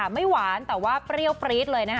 ไม่หวานแต่ว่าเปรี้ยวปรี๊ดเลยนะคะ